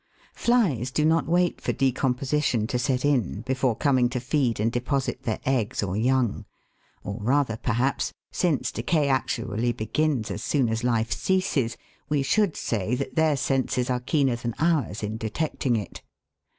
Flies do not wait for decomposition to set in before coming to feed and deposit their eggs or young ; or rather, perhaps, since decay actually begins as soon as life ceases, we should say that their senses are keener than ours in detecting it.